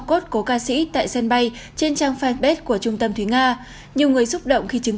cốt của ca sĩ tại sân bay trên trang fanpage của trung tâm thúy nga nhiều người xúc động khi chứng